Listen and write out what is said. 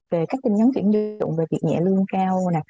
về các tin nhắn chuyển dụng về việc nhẹ lương cao